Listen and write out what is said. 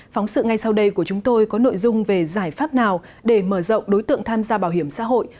phóng sự ngay sau đây của chúng tôi có nội dung về giải pháp nào để mở rộng đối tượng tham gia bảo hiểm xã hội